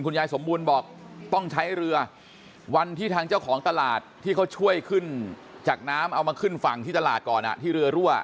ยายสมบูรณ์บอกต้องใช้เรือวันที่ทางเจ้าของตลาดที่เขาช่วยขึ้นจากน้ำเอามาขึ้นฝั่งที่ตลาดก่อนที่เรือรั่ว